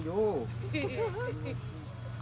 เย็น